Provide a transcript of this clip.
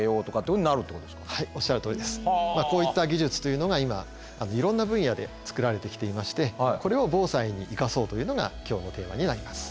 こういった技術というのが今いろんな分野で作られてきていましてこれを防災に生かそうというのが今日のテーマになります。